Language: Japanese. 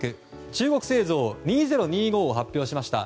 中国製造２０２５を発表しました。